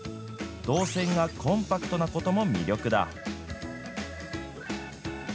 動線がコンパクトなことも魅力だ。